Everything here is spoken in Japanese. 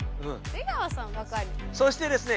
そしてですね